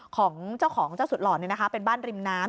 ของเจ้าของเจ้าสุดหล่อเป็นบ้านริมน้ำ